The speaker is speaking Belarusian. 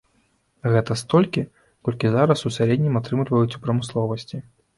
Гэта столькі, колькі зараз у сярэднім атрымліваюць у прамысловасці.